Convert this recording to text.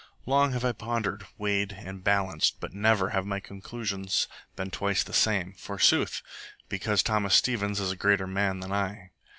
Long have I pondered, weighed, and balanced, but never have my conclusions been twice the same forsooth! because Thomas Stevens is a greater man than I.